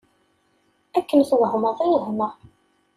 Akken twehmeḍ i wehmeɣ.